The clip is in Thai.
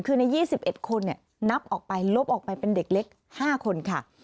คือใน๒๑คนนับออกไปลบออกไปเป็นเด็กเล็ก๕คนค่ะ